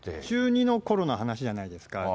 中２のころの話じゃないですか。